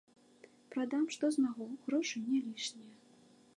Прадам, што змагу, грошы не лішнія.